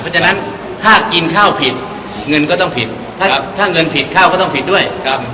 เพราะฉะนั้นถ้ากินข้าวผิดเงินก็ต้องผิดถ้าเงินผิดข้าวก็ต้องผิดด้วยครับ